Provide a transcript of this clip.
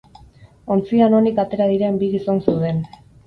Ontzian onik atera diren bi gizon zeuden.